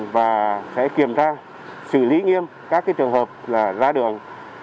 và sẽ kiểm tra xử lý nghiêm các trường hợp ra đường